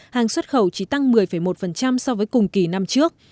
hàng xuất khẩu chỉ tăng một mươi một so với cùng kỳ năm trước